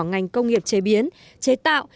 ngành công nghiệp chế biến chế tạo